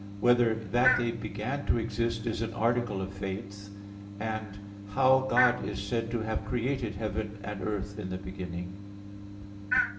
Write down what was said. (2) Whether that they began to exist is an article of Faith? (3) How God is said to have created heaven and earth in the beginning?